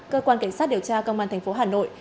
cơ quan cảnh sát điều tra công an thành phố hà nội